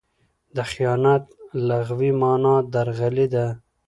د خیانت لغوي مانا؛ درغلي ده.